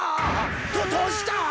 どどうした？